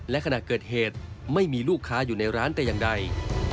และขณะเกิดเหตุไม่มีลูกค้าอยู่ในร้านแต่อย่างใด